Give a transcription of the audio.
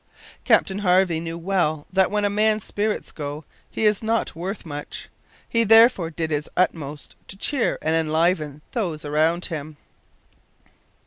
Captain Harvey knew well that when a man's spirits go he is not worth much. He therefore did his utmost to cheer and enliven those around him.